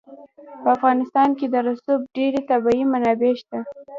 په افغانستان کې د رسوب ډېرې طبیعي منابع شته دي.